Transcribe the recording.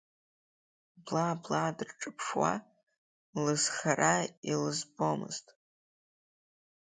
Бла-бла дырҿаԥшуа, лызхара илызбомызт.